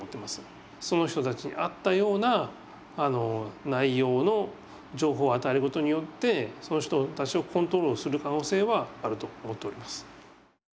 その人たちに合ったような内容の情報を与えることによってその人たちをコントロールする可能性はあると思っております。